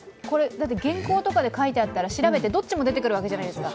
だって原稿とかで書いてあったら調べて、どっちも出てくるわけじゃないですか。